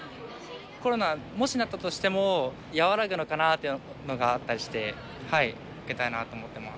コロナにもしなったとしても、和らぐのかなっていうのがあったりして、受けたいなと思っています。